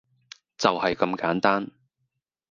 就係咁簡單